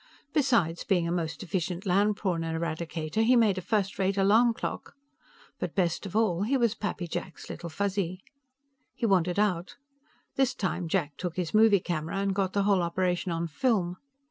Besides being a most efficient land prawn eradicator, he made a first rate alarm clock. But best of all, he was Pappy Jack's Little Fuzzy. He wanted out; this time Jack took his movie camera and got the whole operation on film.